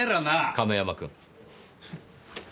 亀山君。